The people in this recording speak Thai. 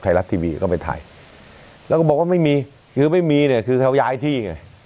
ไทยรัฐทีวีก็ไปถ่ายแล้วก็บอกว่าไม่มีคือไม่มีเนี่ยคือเขาย้ายที่ไง